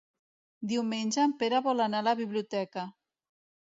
Diumenge en Pere vol anar a la biblioteca.